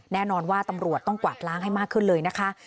แน่นอนว่าตำรวจต้องกวาดล้างให้มากขึ้นเลยนะคะ